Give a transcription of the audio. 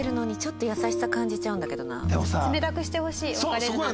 冷たくしてほしい別れるなら。